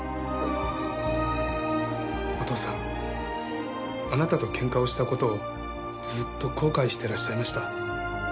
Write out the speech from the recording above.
お父さんあなたとケンカをした事をずっと後悔してらっしゃいました。